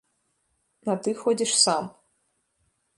А ты ходзіш сам.